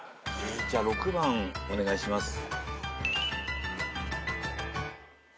じゃあ６番お願いします。